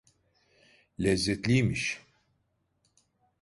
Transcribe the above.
Lezzetliymiş.